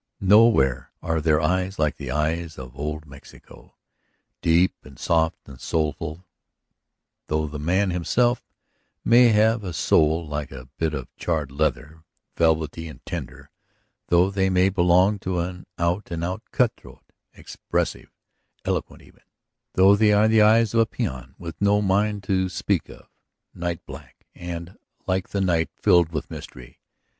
Nowhere are there eyes like the eyes of old Mexico. Deep and soft and soulful, though the man himself may have a soul like a bit of charred leather; velvety and tender, though they may belong to an out and out cutthroat; expressive, eloquent even, though they are the eyes of a peon with no mind to speak of; night black, and like the night filled with mystery.